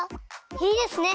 いいですね。